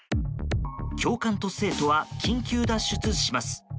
教官と生徒は緊急脱出します。